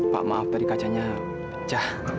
pak maaf tadi kacanya pecah